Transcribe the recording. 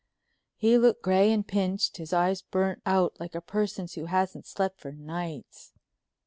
He looked gray and pinched, his eyes burnt out like a person's who hasn't slept for nights.